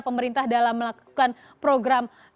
pemerintah dalam melakukan program